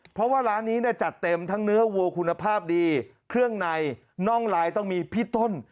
เพราะว่าร้านนี้เนี่ยจัดเต็มทั้งเนื้อวัวคุณภาพดีเครื่องในน่องลายต้องมีพี่ต้น